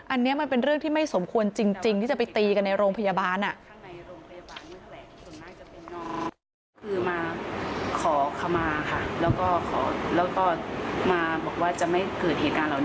อันนี้มันเป็นเรื่องที่ไม่สมควรจริงที่จะไปตีกันในโรงพยาบาล